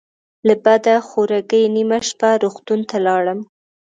له بده خورګۍ نیمه شپه روغتون ته لاړم.